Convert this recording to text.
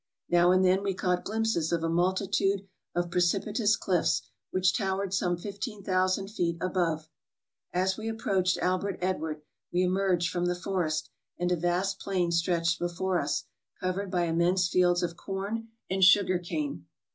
Now and then we caught glimpses of a multitude of precipitous cliffs which towered some 15,000 feet above. As we ap proached Albert Edward, we emerged from the forest, and a vast plain stretched before us, covered by immense fields of corn and sugar cane.